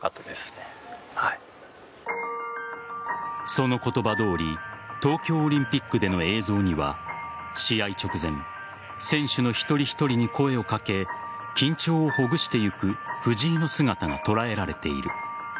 その言葉どおり東京オリンピックでの映像には試合直前選手の一人一人に声を掛け緊張をほぐしていく藤井の姿が捉えられている。